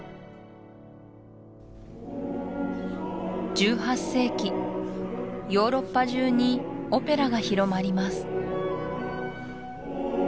１８世紀ヨーロッパ中にオペラが広まります